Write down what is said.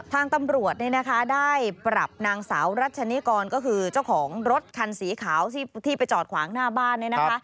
ทางตำรวจได้ปรับนางสาวรัชนิกรก็คือเจ้าของรถคันสีขาวที่ไปจอดขวางหน้าบ้าน